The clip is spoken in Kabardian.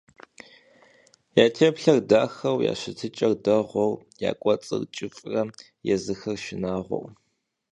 Я теплъэр дахэу, я щытыкӀэр дэгъуэу, я кӀуэцӀыр кӀыфӀрэ, езыхэр шынагъуэу.